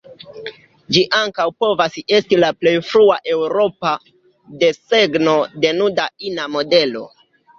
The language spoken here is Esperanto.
Ĝi ankaŭ povas esti la plej frua eŭropa desegno de nuda ina modelo.